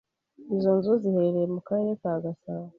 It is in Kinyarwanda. izo nzu ziherereye mu Karere ka Gasabo